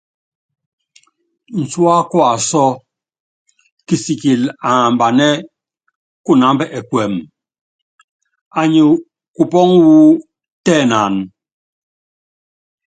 Ncúá kuasɔ́, kisikili ambanɛ́ kunámba ɛkuɛmɛ, anyi kupɔ́ŋɔ wú tɛnaánɛ.